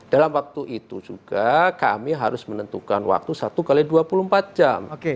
dalam waktu itu juga kami harus menentukan waktu satu x dua puluh empat jam